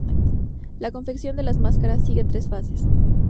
La confección de las máscaras sigue tres fases.